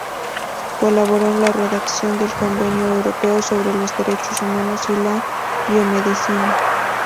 Colaboró en la redacción del Convenio Europeo sobre los Derechos Humanos y la Biomedicina.